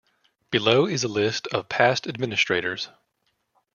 Below is a list of past administrators.